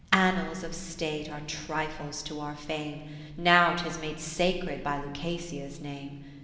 Annals of State are trifles to our fame, Now 'tis made sacred by Lucasia's name.